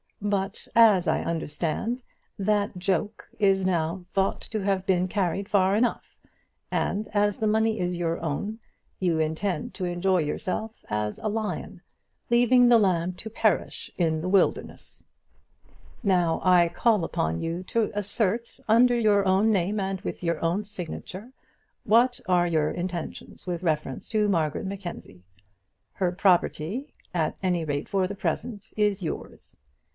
But, as I understand, that joke is now thought to have been carried far enough; and as the money is your own, you intend to enjoy yourself as a lion, leaving the lamb to perish in the wilderness. Now I call upon you to assert, under your own name and with your own signature, what are your intentions with reference to Margaret Mackenzie. Her property, at any rate for the present, is yours.